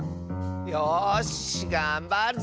よしがんばるぞ！